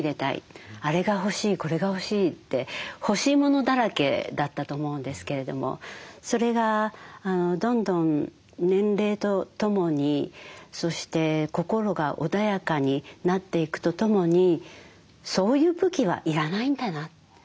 あれが欲しいこれが欲しいって欲しいものだらけだったと思うんですけれどもそれがどんどん年齢とともにそして心が穏やかになっていくとともにそういう武器は要らないんだな。